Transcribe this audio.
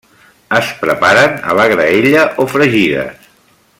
Es preparen a la graella o fregides.